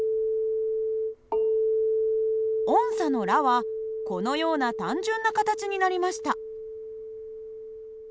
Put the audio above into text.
おんさのラはこのような単純な形になりました。